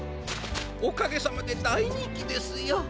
おかげさまでだいにんきですよ。